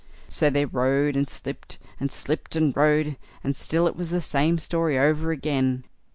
So they rode and slipped, and slipped and rode, and still it was the same story over again.